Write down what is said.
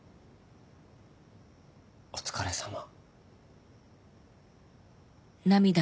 お疲れさま。